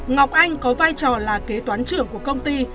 ngọc anh có vai trò là kế toán trưởng của công ty